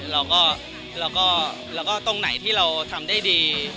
เราก็เราก็แล้วก็ตรงไหนที่เราทำได้ดี